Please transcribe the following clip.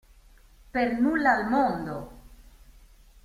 Per nulla al mondo!".